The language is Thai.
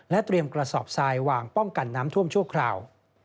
เตรียมกระสอบทรายวางป้องกันน้ำท่วมชั่วคราว